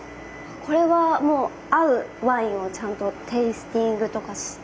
これはもう合うワインをちゃんとテイスティングとかして。